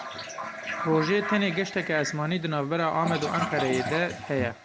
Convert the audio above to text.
Rojê tenê geşteke esmanî di navbera Amed û Enqereyê de heye.